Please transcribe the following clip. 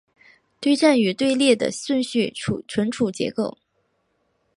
堆栈与队列的顺序存储结构